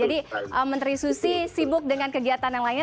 jadi menteri susi sibuk dengan kegiatan yang lainnya